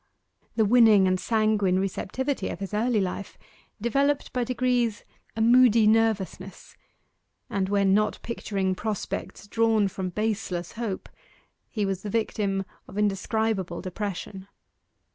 The winning and sanguine receptivity of his early life developed by degrees a moody nervousness, and when not picturing prospects drawn from baseless hope he was the victim of indescribable depression.